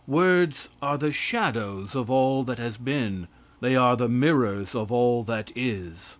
Words are the shadows of all that has been; they are the mirrors of all that is.